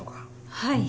はい。